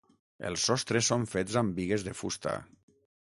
Els sostres són fets amb bigues de fusta.